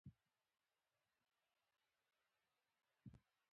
دوی له ډېرې مودې راهيسې غلط ترکيبونه کاروي.